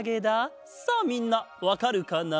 さあみんなわかるかな？